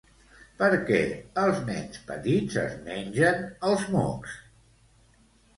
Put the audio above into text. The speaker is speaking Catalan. Per què els nens petits es mengen els mocs?